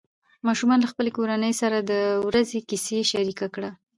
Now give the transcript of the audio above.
ماشوم له خپلې کورنۍ سره د ورځې کیسه شریکه کړه